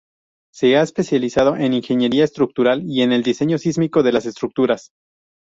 Se ha especializado en ingeniería estructural y en el diseño sísmico de las estructuras.